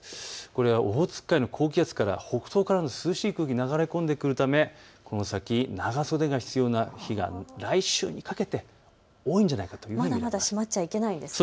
これはオホーツク海の高気圧から北東からの涼しい空気が流れ込んでくるためこの先、長袖が必要な日が来週にかけて多いんじゃないかというふうに見られます。